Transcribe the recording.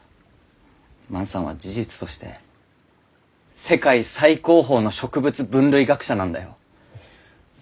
万さんは事実として世界最高峰の植物分類学者なんだよ。